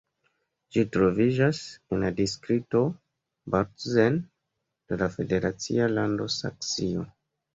Ĝi troviĝas en la distrikto Bautzen de la federacia lando Saksio.